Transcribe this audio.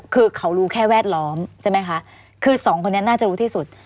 คือเขารู้แค่แวดล้อมใช่ไหมคะคือสองคนนี้น่าจะรู้ที่สุด